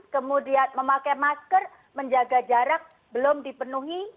kemudian memakai masker menjaga jarak belum dipenuhi